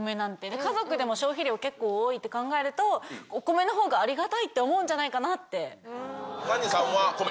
家族でも消費量結構多いって考えると、お米のほうがありがたいっ谷さんは米？